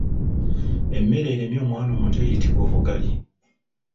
Emmere eremye omwana omuto eyitibwa Obugali.